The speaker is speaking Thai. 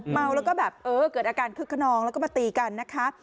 เมาแล้วก็แบบเออเกิดอาการคึกขนองแล้วก็มาตีกันนะคะ